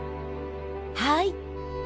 はい。